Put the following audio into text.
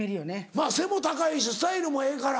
まぁ背も高いしスタイルもええから。